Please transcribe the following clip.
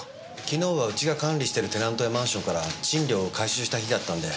昨日はうちが管理してるテナントやマンションから賃料を回収した日だったんで。